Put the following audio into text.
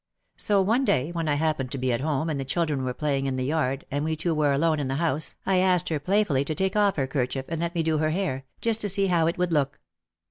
So, one day, when I happened to be at home and the chil dren were playing in the yard, and we two were alone in the house, I asked her playfully to take off her kerchief and let me do her hair, just to see how it would look.